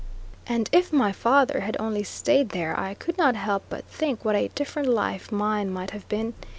And if my father had only stayed there, I could not help but think what a different life mine might have been.